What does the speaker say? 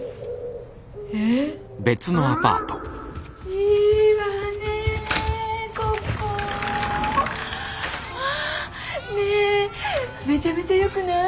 うわ！ねぇめちゃめちゃよくない？